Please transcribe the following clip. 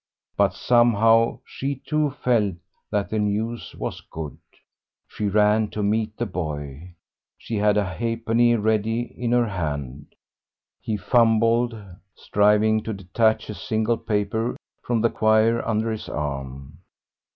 But somehow she too felt that the news was good. She ran to meet the boy. She had a half penny ready in her hand; he fumbled, striving to detach a single paper from the quire under his arm.